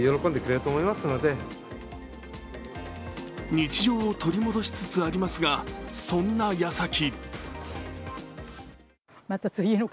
日常を取り戻しつつありますがそんなやさき